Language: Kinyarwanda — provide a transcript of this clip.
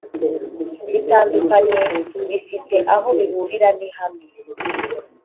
bitandukanye bifite aho bihurira n ihame